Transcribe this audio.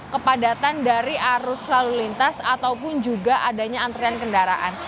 kepadatan dari arus lalu lintas ataupun juga adanya antrian kendaraan